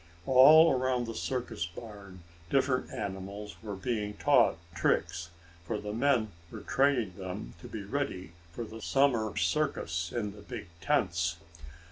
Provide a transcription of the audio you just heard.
All around the circus barn different animals were being taught tricks, for the men were training them to be ready for the summer circus in the big tents.